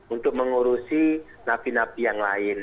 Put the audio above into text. untuk mengurusi nafi nafi yang lain